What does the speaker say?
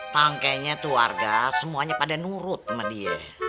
pangkehnya tuh warga semuanya pada nurut sama dia